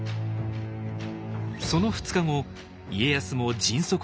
その２日後家康も迅速に動きます。